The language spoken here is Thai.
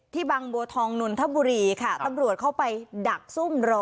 ที่บลังบัวทองนุนทัพบุรีค่ะทำลวชเข้าไปดักซุ่มรอ